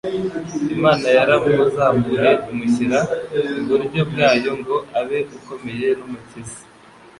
“Imana yaramuzamuye imushyira iburyo bwayo ngo abe Ukomeye n’Umukiza,